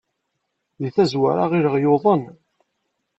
Deg tazwara, ɣileɣ yuḍen.